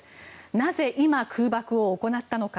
なぜ今、空爆を行ったのか。